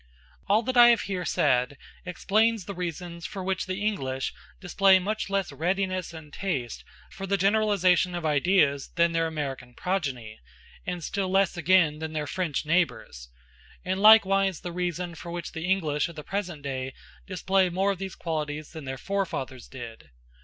All that I have here said explains the reasons for which the English display much less readiness and taste or the generalization of ideas than their American progeny, and still less again than their French neighbors; and likewise the reason for which the English of the present day display more of these qualities than their forefathers did.